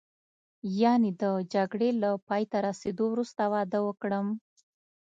یعنې د جګړې له پایته رسېدو وروسته واده وکړم.